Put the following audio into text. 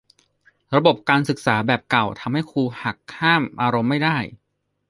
ระบบการศึกษาแบบเก่าทำให้ครูหักห้ามอารมณ์ไม่ได้